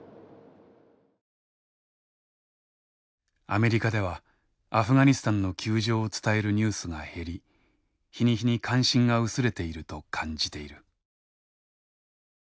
アメリカではアフガニスタンの窮状を伝えるニュースが減り日に日に関心が薄れていると感じている。